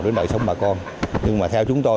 với đời sống bà con nhưng mà theo chúng tôi